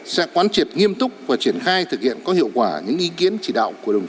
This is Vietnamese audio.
sẽ quan triệt nghiêm túc và triển khai thực hiện có hiệu quả